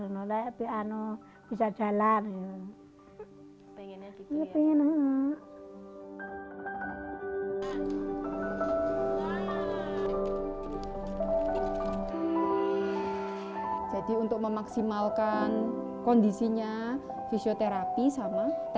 nazila selalu mengalami penyakit tersebut